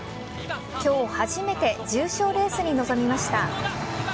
今日初めて重賞レースに臨みました。